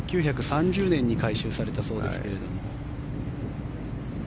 １９３０年に改修されたそうですけれど。